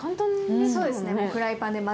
そうですね。